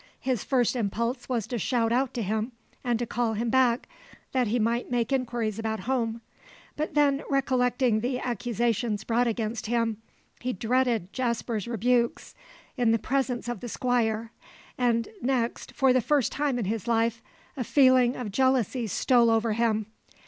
His first impulse was to shout out to him, and to call him back, that he might make inquiries about home, but then, recollecting the accusations brought against him, he dreaded Jasper's rebukes in the presence of the Squire; and next, for the first time in his life, a feeling of jealousy stole over him.